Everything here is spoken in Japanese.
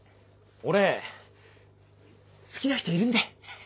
俺好きな人いるんで。